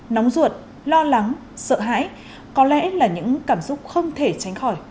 nóng ruột lo lắng sợ hãi có lẽ là những cảm xúc không thể tránh khỏi